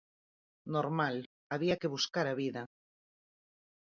Normal, había que buscar a vida.